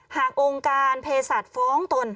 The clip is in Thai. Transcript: หากองค์การเพศัตริย์ฟ้องตน